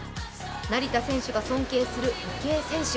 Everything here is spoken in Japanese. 成田選手が尊敬する池江選手。